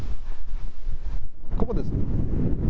ここです。